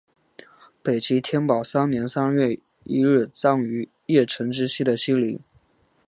北齐天保三年三月一日葬于邺城之西的西陵。